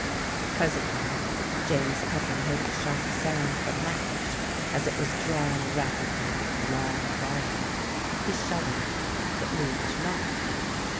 Presently James Cuffin heard the sharp sound of a match as it was drawn rapidly along the wall. He shuddered—but moved not.